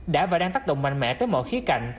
đã và đang tác động mạnh mẽ tới mọi khía cạnh